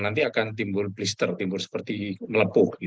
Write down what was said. nanti akan timbul blister timbul seperti melepuh